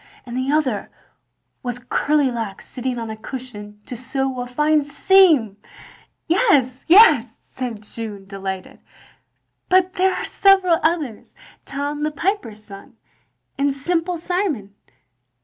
And the other was Curly locks sitting on a cushion to * sew a fine seamM" "Yes, yes," said Jeanne, delighted. "But there are several others, Tom the Piper's son, and Simple Simon."